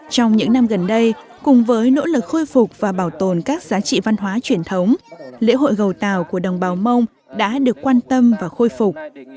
trong những năm gần đây cùng với nỗ lực khôi phục và bảo tồn các giá trị văn hóa truyền thống lễ hội gầu tàu của đồng bào mông đã được quan tâm và khôi phục